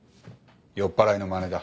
酔っぱらいのまねだ。